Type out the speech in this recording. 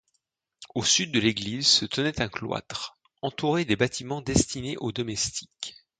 Au sud de l'église se tenait un cloître, entouré des bâtiments destinés aux domestiques.